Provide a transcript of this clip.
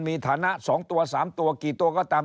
มีฐานะ๒ตัว๓ตัวกี่ตัวก็ตาม